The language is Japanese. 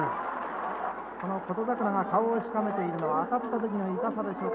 この琴櫻が顔をしかめているのはあたった時の痛さでしょうか。